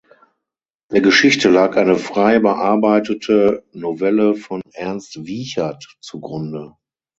Der Geschichte lag eine frei bearbeitete Novelle von Ernst Wiechert zugrunde.